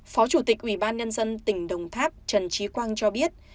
phó chủ tịch ubnd tỉnh đồng tháp trần trí quang cho biết